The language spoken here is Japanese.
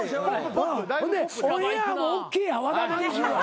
ほんでオンエアもＯＫや和田まんじゅうは。